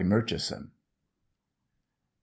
Murchison_.